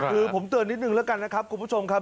คือผมเตือนนิดนึงแล้วกันนะครับคุณผู้ชมครับ